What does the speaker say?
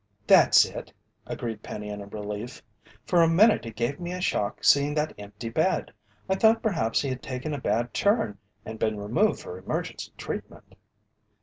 "That's it," agreed Penny in relief. "For a minute it gave me a shock seeing that empty bed. I thought perhaps he had taken a bad turn and been removed for emergency treatment."